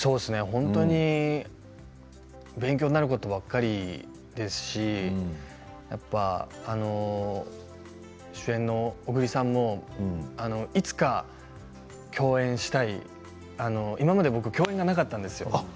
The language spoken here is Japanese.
本当に勉強になることばかりですし主演の小栗さんもいつか共演したい、今まで僕共演がなかったんですよ